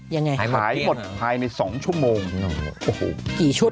ยังไงครับหายหมดถ่ายหมดถ่ายใน๒ชั่วโมงโอ้โฮ